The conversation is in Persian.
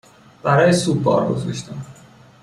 برایش سوپ بار گذاشتم